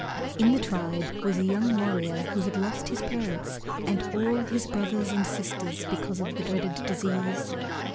In the tribe was a young warrior who had lost his parents and all his brothers and sisters because of the dreaded disease.